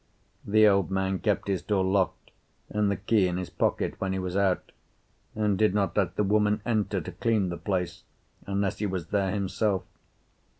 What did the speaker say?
The old man kept his door locked and the key in his pocket when he was out, and did not let the woman enter to clean the place unless he was there himself.